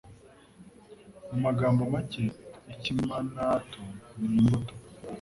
Mu magambo make, Akimanaato ni imbuto.